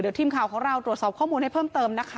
ทีมข่าวของเราตรวจสอบข้อมูลให้เพิ่มเติมนะคะ